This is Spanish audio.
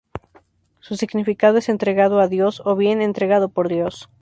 Su significado es "entregado a Dios", o bien "entregado por Dios".